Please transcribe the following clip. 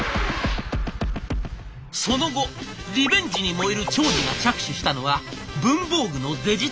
その後リベンジに燃える長司が着手したのは文房具のデジタル化。